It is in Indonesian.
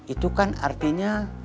itu kan artinya